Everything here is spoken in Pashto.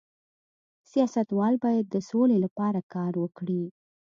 سیاستوال باید د سولې لپاره کار وکړي